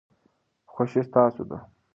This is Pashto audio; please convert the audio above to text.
خوښي ستاسو ده.